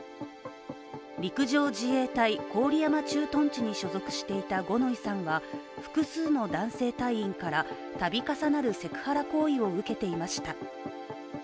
陸上自衛郡山駐屯地に所属していた五ノ井さんは複数の男性隊員から度重なるセクハラ行為を受けていました。